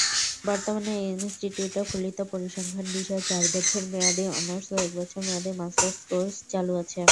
বর্তমানে এই ইনস্টিটিউটে ফলিত পরিসংখ্যান বিষয়ে চার বছর মেয়াদি অনার্স ও এক বছর মেয়াদি মাস্টার্স কোর্স চালু আছে।